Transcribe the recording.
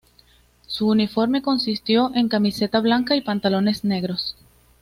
Su uniforme consistió en camiseta blanca y pantalones negros.